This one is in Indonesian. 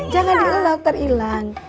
jangan dielak terilang